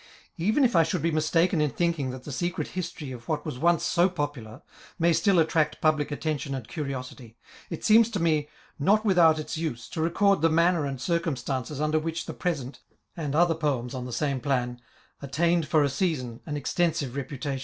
Even if I should be mistaken in thinking that the secret history of what was once so popular, may still attract public atten tion and curiosity, it seems to me not without its use to record the manner and circumstances under which the present, and other Poems on the same plan, attained for a season an extensive reputation.